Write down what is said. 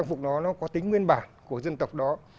và phải gắn với những bộ trang phục đó có tính nguyên bản của dân tộc đó